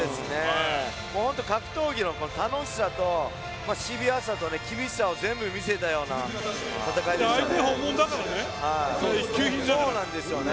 本当、格闘技の楽しさとシビアさと厳しさを全部見せたような戦いでしたね。